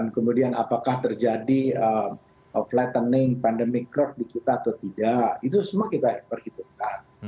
kemudian apakah terjadi penyebab pandemi di kita atau tidak itu semua kita perhitungkan